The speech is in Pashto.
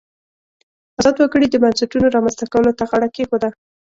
ازاد وګړي د بنسټونو رامنځته کولو ته غاړه کېښوده.